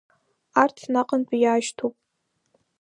Арҭ наҟынтәи иаашьҭуп…